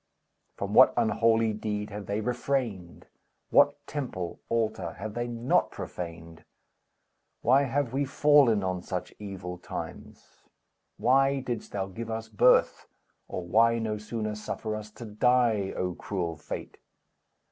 From what unholy deed have they refrained? What temple, altar, have they not profaned? Why have we fallen on such evil times? Why didst thou give us birth, or why No sooner suffer us to die, O cruel Fate?